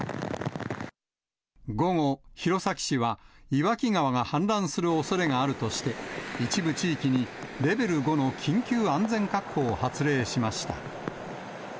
午後、弘前市は、岩木川が氾濫するおそれがあるとして、一部地域にレベル５の緊急安全確保を発令しました。